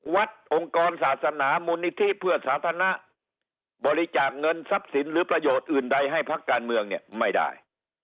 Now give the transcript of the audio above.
องค์กรศาสนามูลนิธิเพื่อสาธารณะบริจาคเงินทรัพย์สินหรือประโยชน์อื่นใดให้พักการเมืองเนี่ยไม่ได้